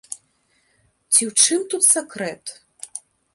Ці ў чым тут сакрэт?